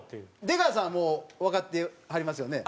出川さんはもうわかってはりますよね？